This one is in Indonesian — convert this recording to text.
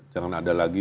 jangan ada lagi